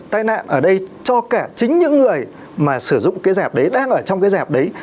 tai nạn ở đây cho cả chính những người mà sử dụng cái dẹp đấy đang ở trong cái dẹp đấy